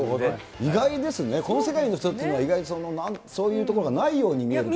意外ですね、この世界の人っていうのは、意外に、そういうところがないように見えるのに。